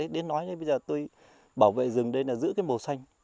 đến nói ngay bây giờ tôi bảo vệ rừng đây là giữ cái màu xanh